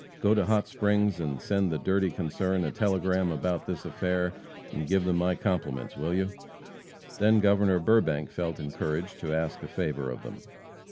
Go to Hot Springs and send the dirty concern a telegram about this affair, and give them my compliments, will you?" Then Governor Burbank felt encouraged to ask a favor of them.